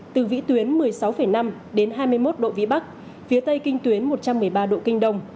từ vĩ tuyến một mươi sáu năm đến hai mươi một độ vĩ bắc phía tây kinh tuyến một trăm một mươi ba độ kinh đông